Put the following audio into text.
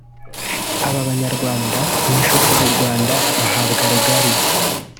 aba Banyarwanda n’inshuti z’u Rwanda bahabwa rugari